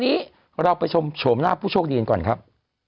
นี้เราไปชมชมหน้าผู้โชคดีก่อนครับ